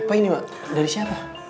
apa ini mak dari syarah